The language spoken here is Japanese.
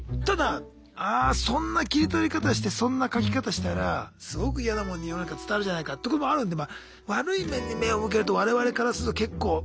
ただあそんな切り取り方してそんな書き方したらすごく嫌なもんに世の中伝わるじゃないかってこともあるんで悪い面に目を向けると我々からすると結構。